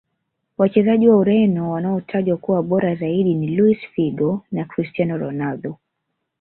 Wachezaji wa ureno wanaotajwa kuwa bora zaidi ni luis figo na cristiano ronaldo